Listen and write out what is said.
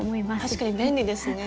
確かに便利ですね。